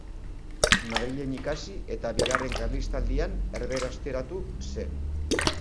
Madrilen ikasi eta Bigarren Karlistaldian erbesteratu zen.